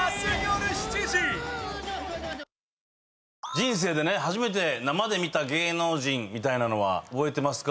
人生でね初めて生で見た芸能人みたいなのは覚えてますか？